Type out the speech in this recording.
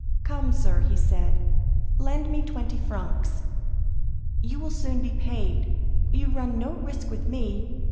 "Come, sir," he said, "lend me twenty francs; you will soon be paid; you run no risks with me.